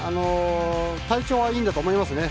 体調はいいと思いますね。